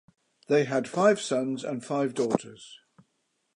They had five sons and five daughters.